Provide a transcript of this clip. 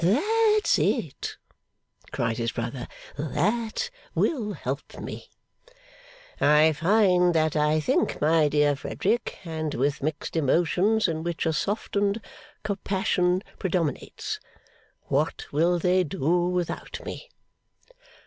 'That's it!' cried his brother. 'That will help me.' 'I find that I think, my dear Frederick, and with mixed emotions in which a softened compassion predominates, What will they do without me!